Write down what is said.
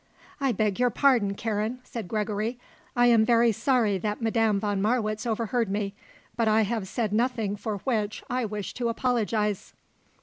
"I beg your pardon, Karen," said Gregory, "I am very sorry that Madame von Marwitz overheard me; but I have said nothing for which I wish to apologize."